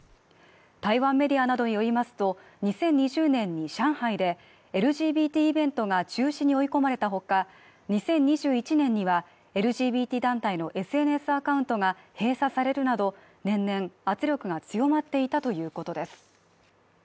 台湾メディアなどによりますと、２０２０年に上海でＬＧＢＴイベントが中止に追い込まれた他、２０２１年にはＬＧＢＴ団体のＳＮＳアカウントが閉鎖されるなど、年々圧力が強まっていたということです。